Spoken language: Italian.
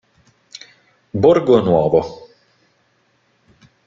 Borgo Nuovo